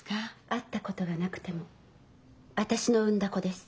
会ったことがなくても私の産んだ子です。